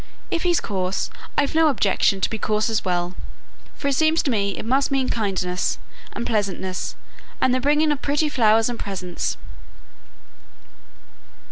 If he's coarse, I've no objection to be coarse as well, for it seems to me it must mean kindliness and pleasantness, and the bringing of pretty flowers and presents."